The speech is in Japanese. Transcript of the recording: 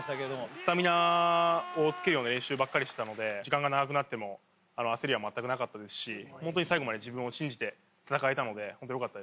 スタミナをつけるような練習ばっかりしてたので時間が長くなっても焦りは全くなかったですしホントに最後まで自分を信じて戦えたのでホントよかったです。